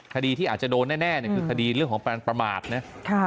คดีที่อาจจะโดนแน่คือคดีเรื่องของการประมาทนะ